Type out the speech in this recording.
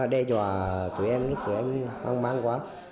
đe dọa tụi em tụi em hoang mang quá